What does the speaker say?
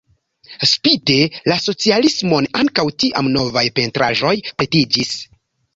Spite la socialismon ankaŭ tiam novaj pentraĵoj pretiĝis.